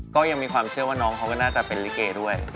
ก็ยังมีความเชื่อว่าน้องเขาก็น่าจะเป็นลิเกด้วย